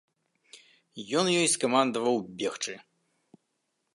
Ён ёй скамандаваў бегчы.